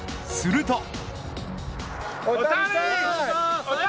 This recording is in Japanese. すると。